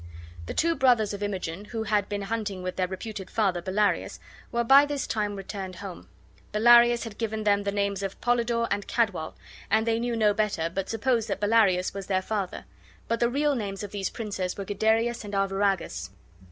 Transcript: The two brothers of Imogen, who had been hunting with their reputed father, Bellarius, were by this time returned home. Bellarius had given them the names of Polydore and Cadwal, and they knew no better, but supposed that Bellarius was their father; but the real names of these princes were Guiderius and Arviragus.